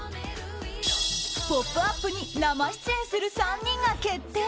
「ポップＵＰ！」に生出演する３人が決定。